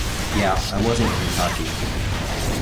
Yeah, I was in Kentucky.